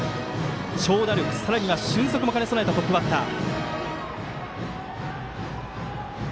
長打力、さらには俊足も兼ね備えたトップバッター。